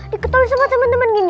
diketahui sama temen temen gini